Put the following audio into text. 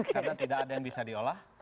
karena tidak ada yang bisa diolah